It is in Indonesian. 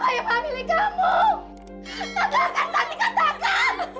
katakan santi katakan